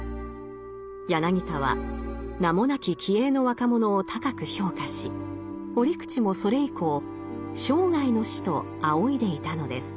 柳田は名もなき気鋭の若者を高く評価し折口もそれ以降生涯の師と仰いでいたのです。